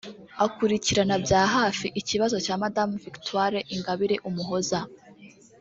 Akurikiranira bya hafi ikibazo cya Madame Victoire Ingabire Umuhoza